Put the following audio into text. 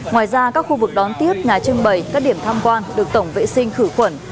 ngoài ra các khu vực đón tiếp nhà trưng bày các điểm tham quan được tổng vệ sinh khử khuẩn